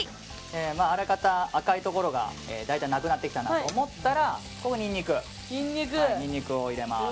あらかた赤いところが大体なくなってきたなと思ったらここにニンニクを入れます。